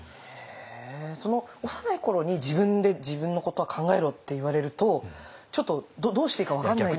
へえ幼い頃に「自分で自分のことは考えろ」って言われるとちょっとどうしていいか分かんないって。